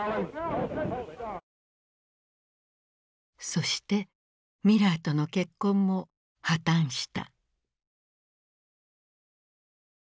そしてミラーとの結婚も破綻した。